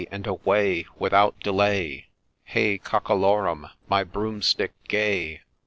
and away ! without delay, Hey Cockalorum ! my Broomstick gay